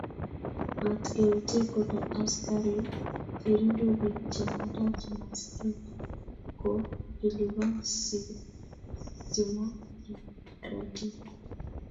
mat kee utie kole askarik cheripe bik che malachi maskit ko kelipani simakiratin